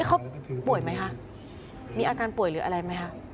เขาป่วยไหมคะมีอาการป่วยหรืออะไรไหมคะ